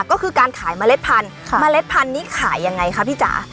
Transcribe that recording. ก็คือการขายเมล็ดพันธุ์นี่ขายยังไงคะฟิจารณ์